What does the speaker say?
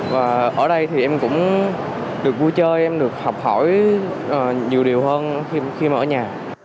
và ở đây thì em cũng được vui chơi em được học hỏi nhiều điều hơn khi mà ở nhà